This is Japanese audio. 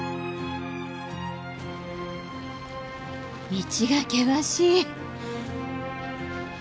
道が険しい。